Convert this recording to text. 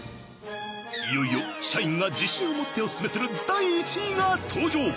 いよいよ社員が自信を持ってオススメする第１位が登場。